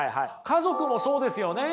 家族もそうですよね。